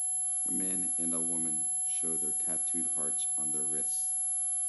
A man and a woman show their tatooed hearts on their wrists